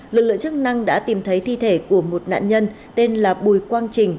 lực lượng chức năng đã tìm thấy thi thể của một nạn nhân tên là bùi quang trình